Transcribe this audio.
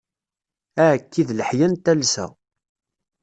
Aɛekki d leḥya n talsa.